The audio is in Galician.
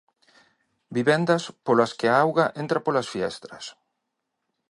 Vivendas polas que a auga entra polas fiestras.